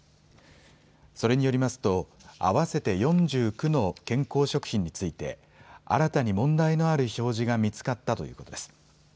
それによりますと合わせて４９の健康食品について新たに問題のある表示が見つかったということです。